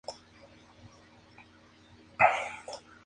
Milita en el Frente para la Victoria.